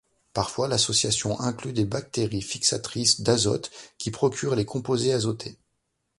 Parfois l’association inclut des bactéries fixatrices d’azote qui procurent les composés azotés.